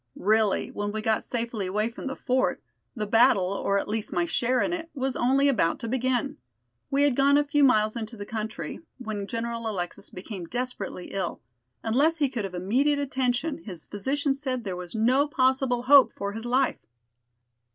Really, when we got safely away from the fort, the battle, or at least my share in it, was only about to begin. We had gone a few miles into the country, when General Alexis became desperately ill. Unless he could have immediate attention his physician said there was no possible hope for his life."